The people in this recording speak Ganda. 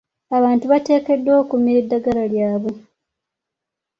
Abantu bateekeddwa okumira eddagala lyabwe.